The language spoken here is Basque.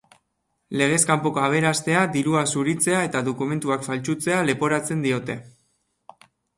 Legez kanpoko aberastea, dirua zuritzea eta dokumentuak faltsutzea leporatzen diote.